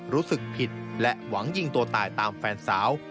รู้สึกผิดและหวังยิงตัวตายตามแฟนสาว